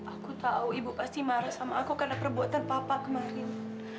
aku tahu ibu pasti marah sama aku karena perbuatan papa kemarin